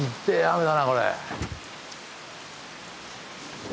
雨だなこれ。